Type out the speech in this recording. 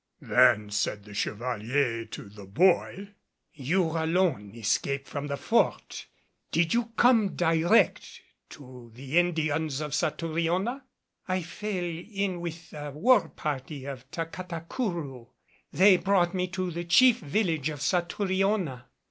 Then said the Chevalier to the boy, "You alone escaped from the Fort. Did you come direct to the Indians of Satouriona?" "I fell in with a war party of Tacatacourou. They brought me to the chief village of Satouriona."